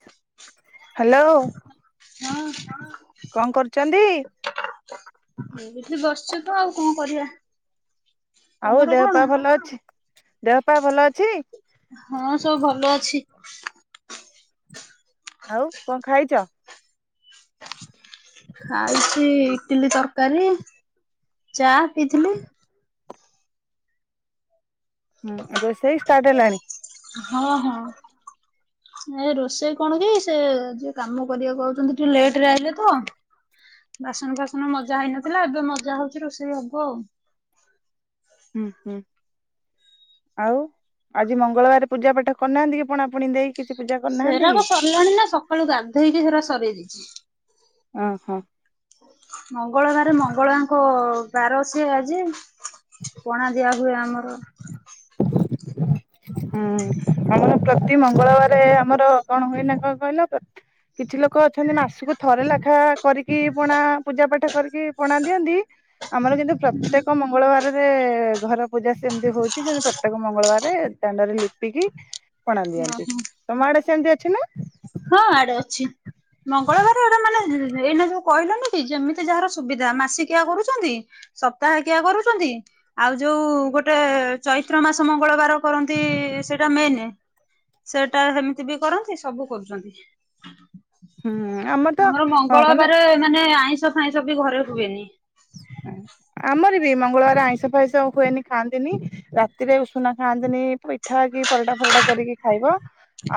[unintelligible] Hello ହଁ। କଣ କରୁଚନ୍ତି? ଏଇଠି ବସିଚୁ ତ ଆଉ କଣ କରିଆ। ଆଉ ଦେହପା ଭଲ ଅଛି ଦେହପା ଭଲ ଅଛି? ହଁ ସବୁ ଭଲ ଅଛି। ଆଉ କଁ ଖାଇଚ? ଖାଇଚି ଇଟିଲି ତରକାରୀ ଚା ପିଇଥିଲି। ହୁଁ ରୋଷେଇ ଷ୍ଟାର୍ଟ ହେଲାଣି। ହଁ ହଁ। [inaudible] ଏ ରୋଷେଇ କଣ କି ସେ ଯିଏ କାମ କରିବାକୁ ଆସୁଛନ୍ତି ଟିକେ ଲେଟରେ ଆଇଲେ ତ। ବାସନ ଫାସନ ମଜା ହେଇନଥିଲା ଏବେ ମଜା ହଉଛି ରୋଷେଇ ହବ ଆଉ। ହୁଁ ହୁଁ। ଆଉ ଆଜି ମଙ୍ଗଳବାର ପୂଜା ପାଠ କରିନାହାନ୍ତି କି ପଣା ପୁଣି ଦେଇ। କିଛି ପୂଜା କରିନାହାନ୍ତି କି? ସେରାକ ସରିଲାଣି ନା ସକାଳୁ ଗାଧୋଇକି ସେରା ସରେଇ ଦେଇଛି। ଓହୋ। ମଙ୍ଗଳବାରେ ମଙ୍ଗଳାଙ୍କ ବାର ସେ ଆଜି। ପଣା ଦିଆ ହୁଏ ଆମର। ହୁଁ ଆମର ପ୍ରତି ମଙ୍ଗଳବାର ଆମର କଣ ହୁଏନା କଣ କହିଲ। କିଛି ଲୋକ ଅଛନ୍ତି ମାସକୁ ଥରେ ଲେଖା କରିକି ପଣା ପୂଜା ପାଠ କରିକି ପଣା ଦିଅନ୍ତି। ଆମର କିନ୍ତୁ ପ୍ରତ୍ୟେକ ମଙ୍ଗଳବାରରେ ଘର ପୂଜା ସେମିତି ହଉଛି ସେମିତି ପ୍ରତ୍ୟେକ ମଙ୍ଗଳବାରେ ଦାଣ୍ଡରେ ଲିପିକି ପଣା ଦିଅନ୍ତି ଓହୋ ତମ ଆଡେ ସେମିତି ଅଛି ନା। ହଁ ଆଡେ ଅଛି। ମଙ୍ଗଳବାର ଏଟା ମାନେ ଏଇନା ଯୋଉ କହିଲନି କି ଯେମିତି ଯାହାର ସୁବିଧା ମାସିକିଆ କରୁଛନ୍ତି। ସପ୍ତାହକିିଆ କରୁଛନ୍ତି। ଆଉ ଯୋଉ ଗୋଟେ ଚୈତ୍ର ମାସ ମଙ୍ଗଳବାର କରନ୍ତି ସେଇଟା ମେନେ। ସେଇଟା ସେମିତି ବି କରନ୍ତି ସବୁ କରୁଛନ୍ତି। ହୁଁ ଆମର ତ ହଁ ମାନେ ମାନେ ଆଇଁଷ ଫାଇଁଷ ବି ଘରେ ହୁଏନି। ଆମର ବି ମଙ୍ଗଳବାରେ ଆଇଁଷ ଫାଇଁସ ହୁଏନି ଖାଆନ୍ତିନି। ରାତିରେ ଉଷୁନା ଖାଆନ୍ତିନି ପିଠାକି ପରଟା ଫରଟା କରିକି ଖାଇବ।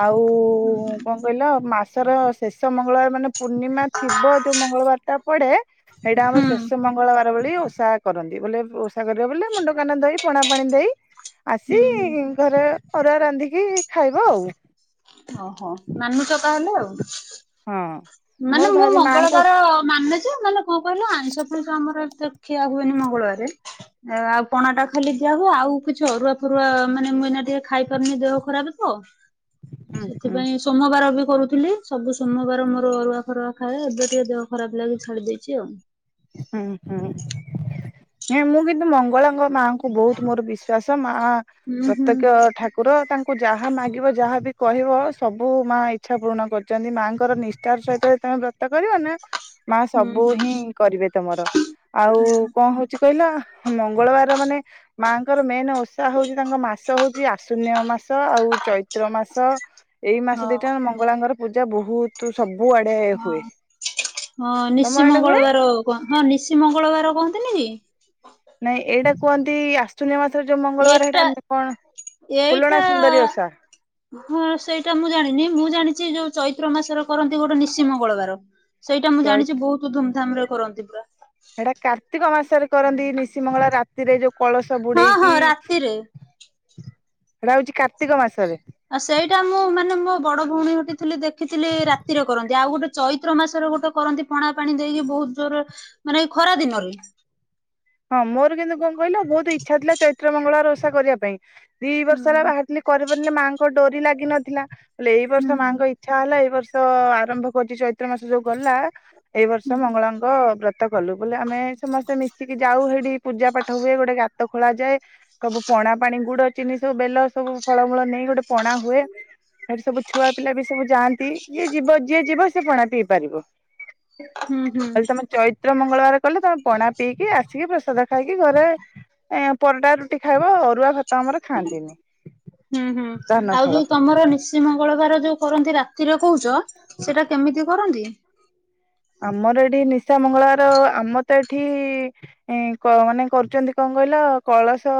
ଆଉ ହୁଁ କଣ କହିଲ ମାସର ଶେଷ ମଙ୍ଗଳବାର ମାନେ ପୂର୍ଣ୍ଣିମା ଥିବ ଯୋଉ ମଙ୍ଗଳବାର ଟା ପଡେ ସେଇଟା ଆମର ଶେଷ ହୁଁ ମ ମଙ୍ଗଳବାର ଭଳି ଓଷା କରନ୍ତି ବୋଲେ ଓଷା କରିବା ବୋଲେ ମୁଣ୍ଡକାନ ଧୋଇ ପଣା ପାଣି ଦେଇ। ଆସି ହୁଁ ଘରେ ଅରୁଆ ରାନ୍ଧିକି ଖାଇବ ଆଉ। ଓହୋ ମାନୁଚ ତା ହେଲେ ଆଉ। ହଁ। ମାନେ ମୋର ମୁଁ ଭାରି ମାଆଙ୍କୁ ମଙ୍ଗଳବାର ମାନେ ମାନେ କଣ କହିଲ ଆଇଁଷ ଫାଇଁଷ ଆମର ଏତେ ଖିଆ ହୁଏନି ମଙ୍ଗଳବାରେ। ଆଉ ପଣା ଟା ଖାଲି ଦିଆ ହୁଏ ଆଉ କିଛି ଅରୁଆ ଫରୁଆ ମାନେ ମୁଁ ଏଇନା ଟିକେ ଖାଇ ପାରୁନି ଦେହ ଖରାପ ତ। ହୁଁ ହୁଁ ସେଥିପାଇଁ ସୋମବାର ବି କରୁଥିଲି ସବୁ ସୋମବାର ମୋର ଅରୁଆ ଫରୁଆ ଖାଏ ଏବେ ଟିକେ ଦେହ ଖରାପ ଲାଗି ଛାଡ଼ି ଦେଇଛି ଆଉ। ହୁଁ ହୁଁ। ହଁ ମୁଁ କିନ୍ତୁ ମଙ୍ଗଳାଙ୍କ ମାଙ୍କୁ ବହୁତ ମୋର ବିଶ୍ଵାସ ମା ହୁଁ ହୁଁ ପ୍ରତ୍ୟକ୍ଷ ଠା ଠାକୁର ତାଙ୍କୁ ଯାହା ମାଗିବ ଯାହା ବି କହିବ ସବୁ ମାଆ ଇଚ୍ଛା ପୂରଣ କରିଛନ୍ତି ମାଆଙ୍କର ନିଷ୍ଠାର ସହିତ ତମେ ବ୍ରତ କରିବ ନା ମା ହୁଁ ସବୁ ହୁଁ ହିଁ କରିବେ ତମର ଆଉ କଣ କଣ ହଉଛି କହିଲ ମଙ୍ଗଳବାର ମାନେ ମାଆଙ୍କର ମେନ୍ ଓଷା ହଉଛି ତାଙ୍କ ମାସ ହଉଛି ଆଶ୍ୱିନ ମାସ ଆଉ ଚୈତ୍ର। ଚୈତ୍ର ମାସ ଏଇ ମାସ ଦିଟା ହଁ। ମଙ୍ଗଳାଙ୍କର ପୂଜା ବହୁତ ସବୁଆ ହଁ ହଁ ତମ ଆଡେ ହୁଏ ନିଶିମଙ୍ଗଳବାର ହଁ ନିଶି ମଙ୍ଗଳବାର କହନ୍ତିନି କି। ନାଇଁ ଏଇଟା କୁହନ୍ତି ଆ ଆଶ୍ୱିନ ମାସର ଯୋଉ ମଙ୍ଗଳବାର ଏଟା ହେଟା କଣ, ହୁଲଣା ସୁନ୍ଦରୀ ଏଇଟା ଓଷା। ହଁ ସେଇଟା ମୁଁ ଜାଣିନି ମୁଁ ଜାଣିଛି ଯୋଉ ଚୈତ୍ର ମାସରେ କରନ୍ତି ଗୋଟେ ନିଶି ମଙ୍ଗଳବାର। ସେଇଟା ମୁଁ ଚୈତ ଜାଣିଛି ବହୁତ ଧୁମଧାମ ରେ କରନ୍ତି ପୁରା। ସେଇଟା କାର୍ତ୍ତିକ ମାସରେ କରନ୍ତି ନିଶି ମଙ୍ଗଳବାର ରା ରାତିରେ ଯୋଉ କଳସ ହଁ ବୁଡେଇକି ହଁ ରାତିରେ। ସେଟା ହଉଚି କାର୍ତ୍ତିକ ମାସରେ। ଆଉ ସେଇଟା ମୁଁ ମାନେ ମୋ ବଡ ଭଉଣୀ ଘରଟିଥିଲି ଦେଖିଥିଲି ରାତିରେ କରନ୍ତି। ଆଉ ଗୋଟେ ଚୈତ୍ର ମାସରେ ଗୋଟେ କରନ୍ତି ପଣା ପାଣି ଦେଇକି ବୋହୁତ ଜୋରରେ ମାନେ ଖରା ଦିନରେ। ହଁ ମୋର କିନ୍ତୁ କଣ କହିଲ ବୋହୁତ ଇଚ୍ଛା ଥିଲା ଚୈତ୍ର ମଙ୍ଗଳବାର ଓଷା କରିବା ପାଇଁ ଦି ହୁଁ ବର୍ଷ ହେଲା ବାହାରିଲି କରିପାରିଲେ ମାଆଙ୍କ ଡୋରି ଲାଗି ନଥିଲା। ବଲେ ଏଇ ହୁଁ ବର୍ଷ ମାଆଙ୍କ ଇଚ୍ଛା ହେଲା ଏଇ ବର୍ଷ ତ ଆରମ୍ଭ କରୁଛି ଚୈତ୍ର ମାସ ଯୋଉ ଗଲା ଏଇ ହୁଁ ବର୍ଷ ମଙ୍ଗଳାଙ୍କ ବ୍ରତ ବ୍ରତ କଲୁ ବୋଲେ ଆମେ ସମସ୍ତେ ମିଶିକି ଯାଉ ସେଠି ପୂଜା ପାଠ ହୁଏ ଗୋଟେ ଗ ଗାତ ଖୋଳା ଯାଏ। ସବୁ ପଣା ପାଣି ଗୁଡ ଚିନି ସବୁ ବେଲ ସବୁ ଫଳମୂଳ ନେଇ ଗୋଟେ ପଣା ହୁଏ। ଏ ସବୁ ଛୁଆ ପିଲା ବି ସବୁ ଯାଆନ୍ତି ଯିଏ ଯିବ ଯିଏ ଯିବ ସେ ପଣା ପିଇ ପାରିବ। ହୁଁ ତମେ ଚୈତ୍ର ମଙ୍ଗଳବାର କଲେ ତମେ ପଣା ପିଇକି ଆସିକି ପ୍ରସାଦ ଖାଇକି ଘରେ ଏ ପରଟା ଖାଇବ ଅରୁଆ ଭାତ ଆମର ଖାଆନ୍ତିନି ହୁଁ ହୁଁ। ଧାନ ଆଉ ଯୋଉ ଫଳ। ତମର ନିଶି ମଙ୍ଗଳବାର ଯୋଉ କରନ୍ତି ରାତିରେ କହୁଛ। ସେଇଟା କେମିତି କରନ୍ତି? ଆମର ଏଠି ନିଶା ମଙ୍ଗଳବାର ଆମ ତ ଏଠି ମାନେ କରୁଛନ୍ତି କଣ କହିଲ କଳସ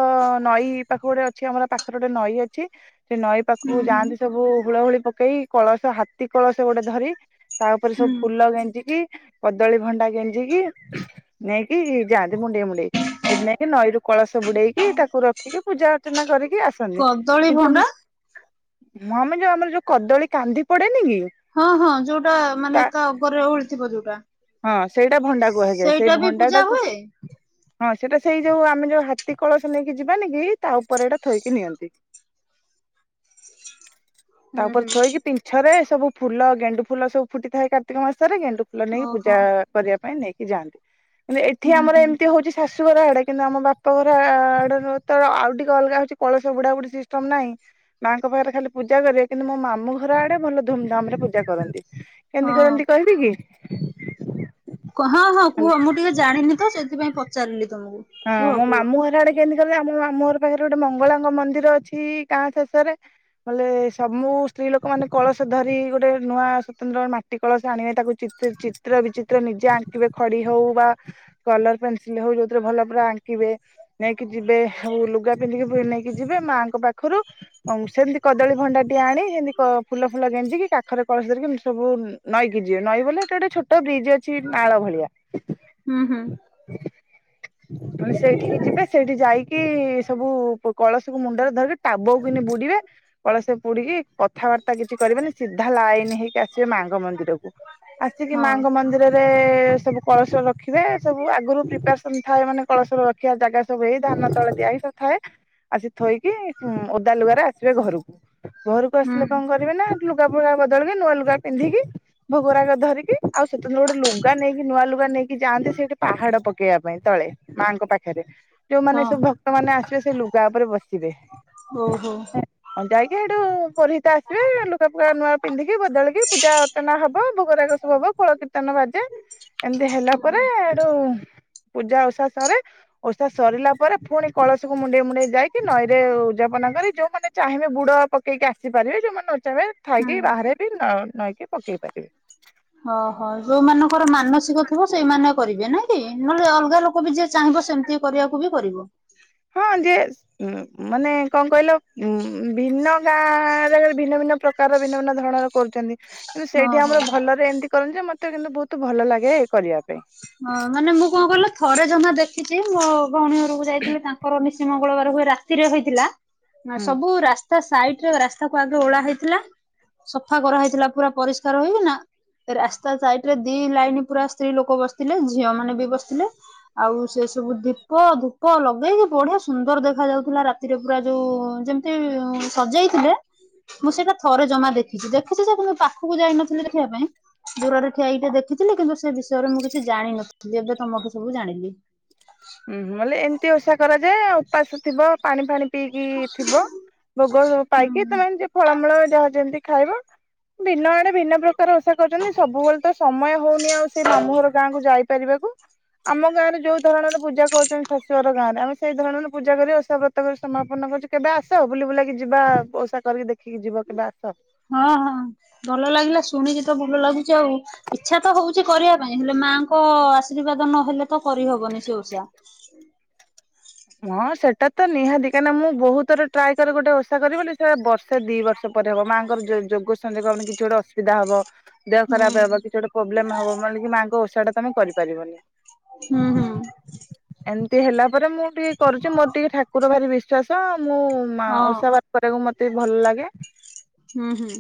ନଈ ପାଖ ଗୋଟେ ଅଛି ଆମର ପାଖ ପାଖରେ ଗୋଟେ ନଈ ଅଛି। ସେ ନଈ ହୁଁ ପାଖକୁ ହୁଁ ଯାଆନ୍ତି ସବୁ ହୁଳ ହୁଳି ପକେଇ କଳସ ହାତୀ କଳସ ଗୋଟେ ଧରି ତା ଉପରେ ହୁଁ ସବୁ ଫୁଲ ଗେଜି ଗେଞ୍ଜି କଦଳୀ ଭଣ୍ଡା ଗେଞ୍ଜିକି ନେଇକି ଯାଆନ୍ତି ମୁଣ୍ଡେଇ ମୁଣ୍ଡେଇ। ସେଠି ନାଇକି ନଈରୁ କଳସ ବୁଡେଇକି ତାକୁ ରଖିକି ପୂଜା ଅର୍ଚ୍ଚନା କରିକି ଆସ ନ୍ତି କଦଳୀ କିନ୍ତୁ ମୁଁ ଭଣ୍ଡା ମମି ଯୋଉ ଆମର ଯୋଉ କଦଳୀ କାନ୍ଦି ପଡେନି କି? ହଁ ହଁ ଯୋଉଟା ମାନେ ତା ଅଗରେ ଓହଳିଥିବ ଯୋଉଟା। ହଁ ସେଇଟା ଭଣ୍ଡା କୁହାଯାଏ ସେଇ ସେଇଟା ବି ପୂଜା ଭଣ୍ଡାଟାକୁ ହୁଏ? ହଁ ସେଟା ସେଇ ଯୋଉ ଆମେ ଯୋଉ ହାତୀ କଳସ ନେଇକି ଯିବାନି କି ତା ଉପରେ ଏଇଟା ଥୋଇକି ନିଅନ୍ତି। [inaudible] ହୁଁ ତାପରେ ହୁଁ। ଥୋଇକି ପିଛରେ ସବୁ ଫୁଲ ଗେଣ୍ଡୁ ଫୁଲ ସବୁ ଫୁଟି ଥାଏ କାର୍ତ୍ତିକ ମାସରେ ଗେଣ୍ଡୁ ଫୁଲ ନେଇକି ପୂଜା ଓହୋ କରିବା ପାଇଁ ନେଇକି ଯାଆନ୍ତି। କିନ୍ତୁ ଏଠି ହୁଁ ଆମର ହୁଁ ଏମିତି ହଉଛି ଶାଶୁଘର ଆଡେ କିନ୍ତୁ ଆମ ବାପା ଘର ଆଡେ ତ ଆଉ ଟିକେ ଅଲଗା ହଉଛି କଳସ ବୁଡା ବୁଡି ସିଷ୍ଟମ ନାହିଁ। ମାଙ୍କ ପାଖରେ ଖାଲି ପୂଜା କରିବେ। କିନ୍ତୁ ମୋ ମାମୁଁ ଘର ଆଡେ ଭଲ ଧୁମଧାମ ରେ ପୂଜା କରନ୍ତି। କେମିତି ହଁ। କରନ୍ତି କହିବି କି? ହଁ ହଁ କୁହ ମୁଁ ଟିକେ ଜାଣିନି ତ ସେଇଥିପାଇଁ ପଚାରିଲି ତମକୁ। ହଁ କୁହ ମୋ କୁହ ମାମୁ ଘର ଆଡେ କେନ୍ତି କରିବେ ଆମ ମାମୁଁ ଘର ପାଖରେ ଗୋଟେ ମଙ୍ଗଳାଙ୍କ ମନ୍ଦିର ଅଛି କା ଶେଷରେ। ବଲେ ସମୁ ସ୍ତ୍ରୀ ଲୋକ ମାନେ କଳସ ଧରି ଗୋଟେ ନୂଆ ସ୍ଵତନ୍ତ୍ର ମାଟି ମାଟି କଳସ ଆଣିବେ ତାକୁ ଚିତ୍ର ଚିତ୍ର ବିଚିତ୍ର ନିଜେ ଆଙ୍କିବେ ଖଡି ହଉ ବା କଲର ପେନସିଲ ହଉ ଯଉଥିରେ ଭଲ ପୁରା ଆଙ୍କିବେ ନେଇକି ଯିବେ ଆଉ ଲୁଗା ପିନ୍ଧିକି ନେଇକି ଯିବେ ମାଆଙ୍କ ପାଖରେ ପାଖରୁ ସେମିତି କଦଳୀ ଭଣ୍ଡାଟିଏ ଆଣି ସେମିତି ଫୁଲ ଫୁଲ ଗେଞ୍ଜିକି କାଖରେ କଳସ ଧରିକି ଏମତି ସବୁ ନଈକି ଯିବେ ନଈ ବୋଲେ ହେଟେ ଗୋଟେ ଛୋଟ ବ୍ରିଜ୍ ଅଛି ନାଳ ଭଳିଆ। ହୁଁ ହୁଁ। [inaudible] ସେଇଠିକି ଯିବେ ସେଇଠି ଯାଇକି ସବୁ କଳସକୁ ମୁଣ୍ଡରେ ଧରିକି ଟାବକୁ କିନି ବୁଡିବେ କଳ ସେ ପୁଡିକି କଥାବାର୍ତ୍ତା କିଛି କରିବେନି ସିଧା ଲାଇନ ହେଇକି ଆସିବେ ମାଙ୍କ ମନ୍ଦିର କ ଆସିକି ହଁ ମାଙ୍କ ମନ୍ଦିର ରେ ସବୁ କଳସ ରଖିବେ। ସବୁ ଆଗରୁ ପ୍ରିପାରସନ ଥାଏ ମାନେ କଳସର ରଖିବା ଜାଗା ସବୁ ହେଇ ଧାନ ତଳେ ଦିଆଇ ସବୁ ଥାଏ। ଆସି ଥୋଇକି ଓଦା ଲୁଗାରେ ଆସିବେ ଘରକୁ ଘରକୁ ହୁଁ ଆସିଲେ କଣ କରି ବେନା ଲୁଗା ଫୁଗା ବଦଳବି ନୂଆ ଲୁଗା ପିନ୍ଧିକି ଭୋଗରାଗ ଧରିକି ଆଉ ସେତନ୍ତରେ ଗୋଟେ ଲୁଗା ନେଇକି ନୂଆ ଲୁଗା ନେଇକି ଯାଆନ୍ତି ସେଇଠି। ପାହାଡ ପକେଇବା ପାଇଁ ତଳେ ମାଆଙ୍କ ପାଖରେ। ଯୋଉମାନେ ହଁ ସବୁ ଭକ୍ତ ମାନ ଆସିବେ ସେ ଲୁଗା ଉପରେ ବସିବେ। ଓହୋ ହଁ ଯାଇକି ଏଇଠୁ ପୁରିହିତ ଆସିବେ ଲୁଗା ଫୁଗା ନୂଆ ପିନ୍ଧିକି ବଦଳିକି ପୂଜା ଅର୍ଚ୍ଚନା ହବ ଭୋଗରାଗ ସବ ହବ କୂଳ କୀର୍ତ୍ତନ ବାଜେ। ଏମିତି ହେଲା ହୁଁ। ପରେ ହେଠୁ ପୂଜା ଓଷା ସରେ ଓଷା ସରିଲା ପରେ ପୁଣି କଳସକୁ ମୁଣ୍ଡେଇ ମୁଣ୍ଡେଇ ଯାଇ ନଈରେ ଉଯାପନା କରି ଯୋଉମାନେ ଚାହିଁବେ ବୁଡ ପକେଇକି ଆସି ପାରିବେ ଯୋଉମାନେ ନ ଚାହିଁବେ ଥାଇକି ହୁଁ। ବାହାରେ ବି ନ ନଈକି ପକେଇ ପାରିବେ। ଓହୋ ଯୋଉମାନଙ୍କର ମାନସିକ ଥିବ ସେଇମାନେ କରିବେ ନାଇଁ କି ନହେଲେ ଅଲଗା ଲୋକ ବି ଯିଏ ଚାହିଁବ ସେମି ତି କରିବାକୁ ବି କରିବ। ହଁ ଯେ ଉଁ ମାନେ କଣ କହିଲ ଉ ଭିନ୍ନ ଗାଁ ଆରେ ଭିନ୍ନ ଭିନ୍ନ ପ୍ର ପ୍ରକାର ଭିନ୍ନ ଭନ୍ନ ଧରଣର କରୁଛନ୍ତି। ମାନେ ହଁ ସେଇଠି ହଁ। ଆମର ଭଲରେ ଏମିତି କରନ୍ତି ଯେ ମତେ କିନ୍ତୁ ବୋହୁତ ଭଲ ଲାଗେ କରିବା ପାଇଁ। ହଁ ମାନେ ମୁଁ କଣ କଇଲ ଥରେ ଜମା ଦେଖିଛି ମୋ ଭଉଣୀ ଘରକୁ ଯାଇଥିଲି ତାଙ୍କର ନିଶିମ ମଙ୍ଗଳବାର ହୁଏ ରାତିରେ ହେଇଥିଲା ହୁଁ ସବୁ ରାସ୍ତା ସାଇଟ ରେ ରାସ୍ତାକୁ ଆଗେ ଓଳା ହେଇଥିଲା ସଫା କରାହେଇଥିଲା ପୁରା ପରିଷ୍କାର ହେଇକି ନା ରାସ୍ତା ସାଇଟ ରେ ଦି ଲାଇନ ପୁରା ସ୍ତ୍ରୀ ଲୋକ କୋ ବସିଥିଲେ ଝିଅ ମାନେ ବି ବସିଥିଲେ। ଆଉ ସେ ସବୁ ଦୀପ ଧୂପ ଲଗେଇକି ବଢିଆ ସୁନ୍ଦର ଦେଖା ଯାଉଥିଲା ରାତି ରେ ପୁରା ଯୋଉ ଯେମିତି ସଜେଇଥିଲେ ମୁଁ ସେଇଟା ଥରେ ଜମା ଦେଖିଛି ଦେଖିଛି ଯେ କିନୁ ପାଖକୁ ଯାଇ ନଥିଲି ଦେଖିବା ପାଇଁ ଦୂରରେ ଠିଆଇକି ଟିକେ ଦେଖିଥିଲି କିନ୍ତୁ ସେ ବିଷୟରେ ମୁଁ କିଛି ଜାଣିନଥିଲି ଏବେ ତମଠୁ ସବୁ ଜାଣିଲି। ଉଁ ହୁଁ ବଲେ ଏମିତି ଓଷା କରାଯାଏ ଉପାସ ଥିବ ପାଣି ଫାଣି ପିଇକି ଥିବ ଭୋଗ ସବୁ ହୁଁ ପାଇକି ତମେ ଏମିତି ଫଳମୂଳ ଯାହା ଯେମିତି ଖାଇବ ଭିନ୍ନ ଆଡେ ଭିନ୍ନ ପ୍ରକାର ଓଷା କରଛନ୍ତି ସବୁବେଳେ ତ ସମୟ ହଉନି ଆଉ ସେଇ ମାମୁଁଘର ଗାଁକୁ ଯାଇପାରିବାକୁ ଆମ ଗାଁରେ ଯୋଉ ଧରଣର ପୂଜା କରୁଛନ୍ତି ଶାଶୁଘର ଗାଁରେ ଆମେ ସେଇ ଧରଣର ପୂଜା କରି ଓସା ବ୍ରତ କରି ସମାପନ କରୁଚୁ କେବେ ଆସ ଆସ ବୁଲି ବୁଲାକି ଯିବା ଓସା କରିକି ଦେଖିକି ଯିବ କେବେ ଆସ। ହଁ ହଁ ଭଲ ଲାଗିଲା ଶୁଣିିକି ତ ଭଲ ଲାଗୁଛି ଆଉ। ଇଚ୍ଛା ତ ହଉଛି କରିଆ ପାଇଁ ହେଲେ ମାଙ୍କ ଆଶୀର୍ବାଦ ନହେଲେ ତ କରିହବନି ସେ ଓଷା। ହଁ ସେଟା ତ ନିହାତି କାହିଁକିନା ମୁଁ ବୋହୁତଥର ଟ୍ରାଏ କରେ ଗୋଟେ ଓଷା କରିବି ବୋଲି ସେତା ବର୍ଷେ ଦି ବର୍ଷ ପରେ ହବ ମାଙ୍କର ଯୋଗ ସଂଯୋଗ ମାନେ କିଛି ଗୋଟେ ଅସୁବିଧା ହବ ଦେହ ହୁଁ ଖରାପ ହେବ କିଛି ଗୋଟେ ପ୍ରୋବ୍ଲେମ ହବ ମାନେ କି ମାଙ୍କ ଓଷା ଟା ତମେ କରିପାରିବନି। ହୁଁ ହୁଁ। ଏମତି ହେଲା ପରେ ମୁଁ ଟିକେ କରୁଛି ମୋର ଟିକେ ଠାକୁର ଭାରି ବିଶ୍ଵାସ ମୁଁ ମା ହଁ ଓଷା ବା କରିଆକୁ ମତେ ବି ଭଲ ଲାଗେ। ହୁଁ ହୁଁ।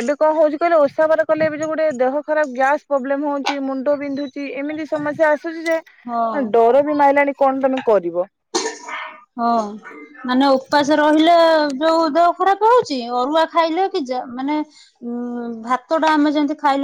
ଏବେ କଣ ହଉଛି କହିଲ ଓଷା ବାର କଲେ ଏବେ ଯୋଉ ଗୋଟେ ଦେହ ଖରାପ ଗ୍ୟାସ ପ୍ରୋବ୍ଲେମ ହଉଛି ମୁଣ୍ଡ ବିନ୍ଧୁ ଚି ଏମିତି ସମସ୍ୟା ଆସୁଛି ଯେ ହଁ ମାନ ଡର ବି ମାଇଲାଣି କଣ ତମେ କରିବ। ହ ମାନେ ଉପାସେ ରହିଲେ ଯୋଉ ଦେହ ଖରାପ ହଉଚି, ଅରୁଆ ଖାଇଲେ କି ଯା ମାନେ ଉଁ ଭାତଟା ଆମେ ଯେମିତି ଖାଇଲେ